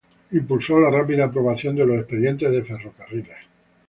Impulsó la rápida aprobación de los expedientes de ferrocarriles.